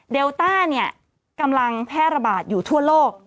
ต้าเนี่ยกำลังแพร่ระบาดอยู่ทั่วโลก